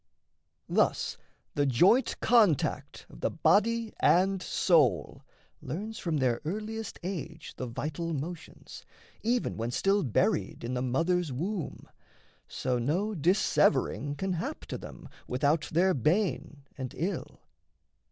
Thus the joint contact of the body and soul Learns from their earliest age the vital motions, Even when still buried in the mother's womb; So no dissevering can hap to them, Without their bane and ill.